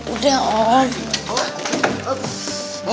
udah ya om